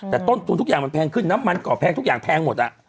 แต่ต้นทุนทุกอย่างมันแพงขึ้นน้ำมันก่อแพงทุกอย่างแพงหมด